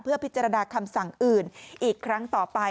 พิจารณาคำสั่งอื่นอีกครั้งต่อไป